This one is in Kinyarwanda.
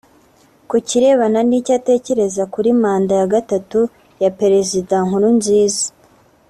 Ku kirebana n’icyo atekereza kuri Manda ya gatatu ya Perezida Nkurunziza